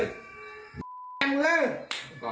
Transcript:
เรียบร้อย